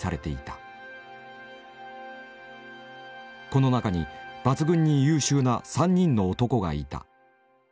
この中に抜群に優秀な３人の男がいた。